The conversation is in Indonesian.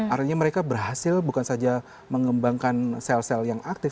artinya mereka berhasil bukan saja mengembangkan sel sel yang aktif